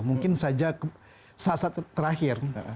mungkin saja sasar terakhir